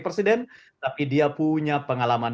presiden tapi dia punya pengalaman